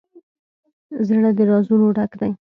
زړه د رازونو ډک دی.